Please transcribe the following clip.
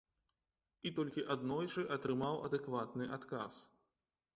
І толькі аднойчы атрымаў адэкватны адказ.